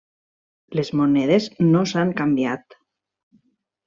Les monedes no s'han canviat.